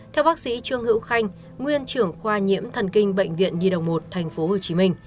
theo bác sĩ trương hữu khanh nguyên trưởng khoa nhiễm thần kinh bệnh viện nhi đồng một tp hcm